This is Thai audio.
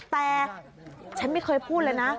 แต่ฉันไม่เคยพูดเลยนะ